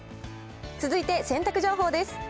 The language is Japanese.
続いて洗濯情報です。